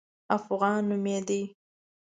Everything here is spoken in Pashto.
افغان نومېدی.